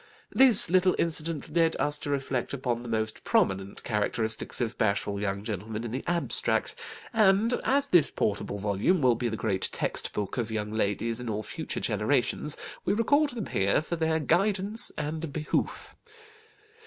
This little incident led us to reflect upon the most prominent characteristics of bashful young gentlemen in the abstract; and as this portable volume will be the great text book of young ladies in all future generations, we record them here for their guidance and behoof.